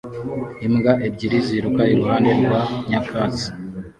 Imbwa ebyiri ziruka iruhande rwa nyakatsi